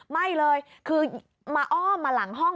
ไม่เลยคือมาอ้อมมาหลังห้อง